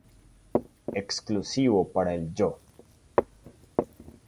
Exclusivo para el Yo!